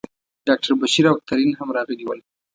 ډاکټر بشیر او ترین هم راغلي ول.